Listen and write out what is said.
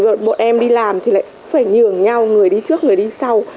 bọn em đi làm thì lại phải nhường nhau người đi trước người đi sau